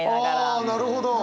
ああなるほど！